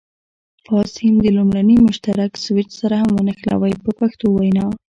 فاز سیم د لومړني مشترک سویچ سره هم ونښلوئ په پښتو وینا.